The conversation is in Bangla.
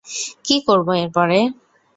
কী করবো এরপরে?